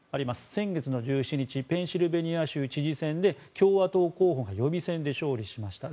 先月の１７日ペンシルベニア州知事選で共和党候補が予備選で勝利しました。